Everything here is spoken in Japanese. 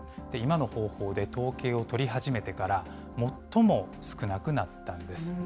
今の方法で統計を取り始めてから、最も少なくなったんです。